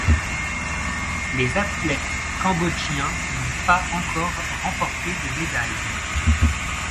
Les athlètes cambodgiens n'ont pas encore remporté de médaille.